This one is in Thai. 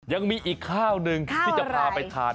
ยังมีอีกข้าวหนึ่งที่จะพาไปทาน